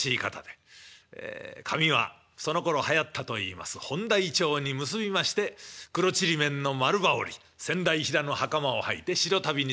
髪はそのころはやったといいます本多銀杏に結びまして黒ちりめんの丸羽織仙台平の袴をはいて白足袋に雪駄履き。